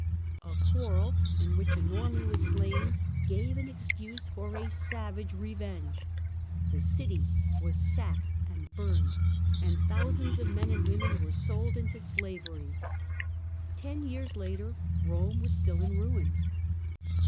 A quarrel, in which a Norman was slain, gave an excuse for a savage revenge. The city was sacked and burned, and thousands of men and women were sold into slavery. Ten years later Eome was still in ruins.